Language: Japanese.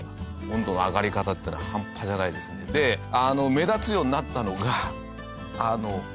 ホントにで目立つようになったのが。